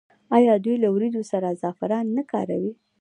آیا دوی له وریجو سره زعفران نه کاروي؟